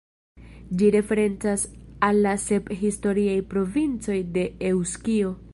Ĝi referencas al la sep historiaj provincoj de Eŭskio.